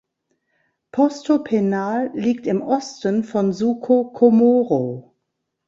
Posto Penal liegt im Osten vom Suco Comoro.